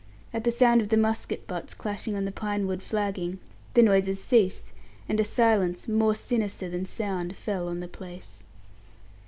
At the sound of the musket butts clashing on the pine wood flagging, the noises ceased, and a silence more sinister than sound fell on the place.